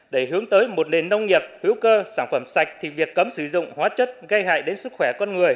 để hướng tới một nền nông nghiệp hữu cơ sản phẩm sạch thì việc cấm sử dụng hóa chất gây hại đến sức khỏe con người